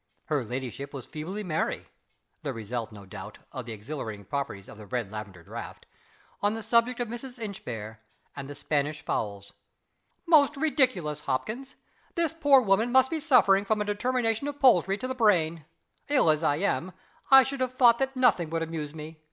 Her ladyship was feebly merry (the result, no doubt, of the exhilarating properties of the red lavender draught) on the subject of Mrs. Inchbare and the Spanish fowls. "Most ridiculous, Hopkins! This poor woman must be suffering from a determination of poultry to the brain. Ill as I am, I should have thought that nothing could amuse me.